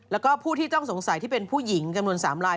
แล้วก็ผู้ที่ต้องสงสัยที่เป็นผู้หญิงจำนวน๓ลาย